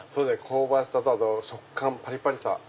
香ばしさと食感パリパリさ。